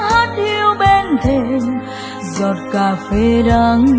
hát yêu bên thềm giọt cà phê đắng